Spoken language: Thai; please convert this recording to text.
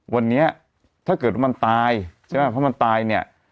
วันนี้ถ้าเกิดว่ามันตายถ้ามันตายเนี่ย